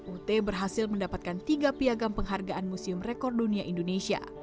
ut berhasil mendapatkan tiga piagam penghargaan museum rekor dunia indonesia